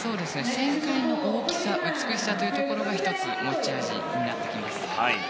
旋回の大きさ美しさというところが１つ持ち味になってきます。